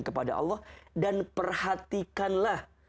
kepada allah dan perhatikanlah